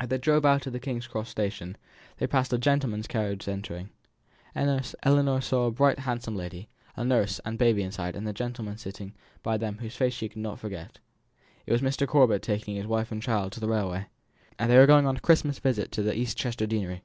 As they drove out of the King's Cross station, they passed a gentleman's carriage entering. Ellinor saw a bright, handsome lady, a nurse, and baby inside, and a gentleman sitting by them whose face she could never forget. It was Mr. Corbet taking his wife and child to the railway. They were going on a Christmas visit to East Chester deanery.